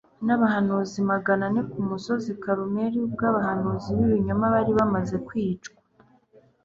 n'abahanuzi maganane ku musozi Kalumeli, ubwo abahanuzi b'ibinyoma bari bamaze kwicwa,